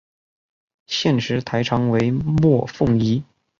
现时台长为莫凤仪。